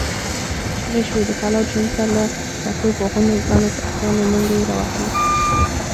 چيغې شوې، د کلا جنوب ته له پرتو باغونو ګڼو کسانو منډې را وهلې.